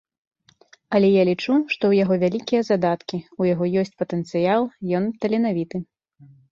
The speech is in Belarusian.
Але я лічу, што ў яго вялікія задаткі, у яго ёсць патэнцыял, ён таленавіты.